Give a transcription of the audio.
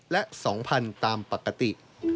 และ๒๐๐๐ตามปกติ